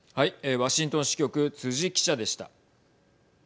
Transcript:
ワシントン支局、辻記者でした。